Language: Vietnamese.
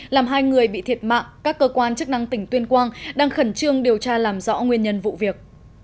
làm hai người bị thiệt mạng các cơ quan chức năng tỉnh tuyên quang đang khẩn trương điều tra làm rõ nguyên nhân vụ việc